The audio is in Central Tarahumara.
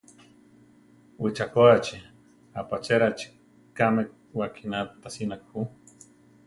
Wichakoáchi, apachérachi kame wakiná tasina ju.